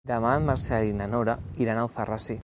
Demà en Marcel i na Nora iran a Alfarrasí.